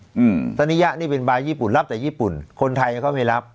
อืมสนิยะนี่เป็นบายญี่ปุ่นรับแต่ญี่ปุ่นคนไทยเขาไม่รับ